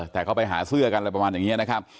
แต่เขาไปหาเสื้อกันอะไรประมาณอย่างนี้นะครับ